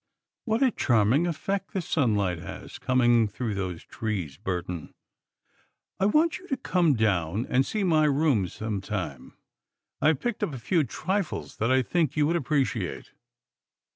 What a charming effect the sunlight has coming through those trees, Burton! I want you to come down and see my rooms sometime. I have picked up a few trifles that I think you would appreciate."